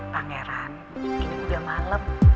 pangeran ini udah malem